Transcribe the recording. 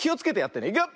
いくよ！